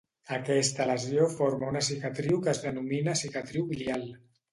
Aquesta lesió forma una cicatriu que es denomina cicatriu glial.